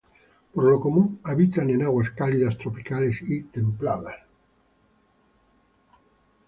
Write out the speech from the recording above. Por lo común habitan en aguas cálidas tropicales y templadas.